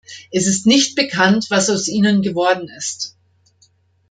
Es ist nicht bekannt, was aus ihnen geworden ist.